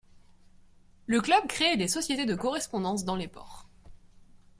Le club crée des sociétés de correspondance dans les ports.